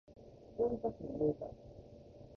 大分県大分市